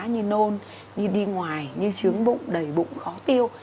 như nôn đi đi ngoài như chướng bụng đầy bụng khó tiêu